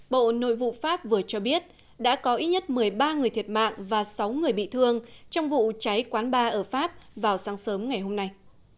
bộ nội vụ pháp vừa cho biết đã có ít nhất một mươi ba người thiệt mạng và sáu người bị thương trong vụ cháy quán ba ở pháp vào sáng sớm ngày hôm nay